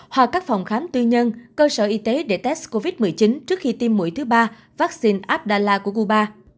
hoặc các phòng khám tư nhân cơ sở y tế để test covid một mươi chín trước khi tiêm mũi thứ ba vaccine abdallah của cuba